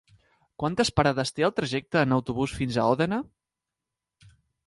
Quantes parades té el trajecte en autobús fins a Òdena?